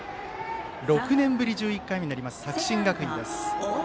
６年ぶり１１回目になります作新学院です。